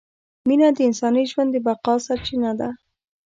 مینه د انساني ژوند د بقاء سرچینه ده!